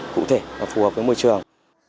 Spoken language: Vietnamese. cụ thể và phù hợp với môi trường